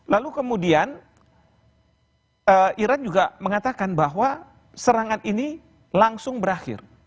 lalu kemudian iran juga mengatakan bahwa serangan ini langsung berakhir